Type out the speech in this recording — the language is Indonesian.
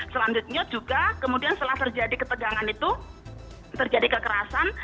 selanjutnya juga kemudian setelah terjadi ketegangan itu terjadi kekerasan